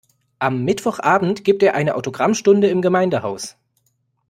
Am Mittwochabend gibt er eine Autogrammstunde im Gemeindehaus.